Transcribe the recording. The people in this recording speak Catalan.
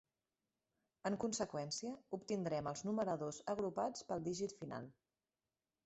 En conseqüència, obtindrem els numeradors agrupats pel dígit final.